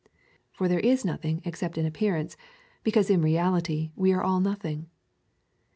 For there is nothing except in appear ance, because in reality we are all nothing.